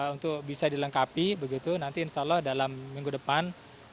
untuk bisa dilengkapi begitu nanti insya allah dalam minggu depan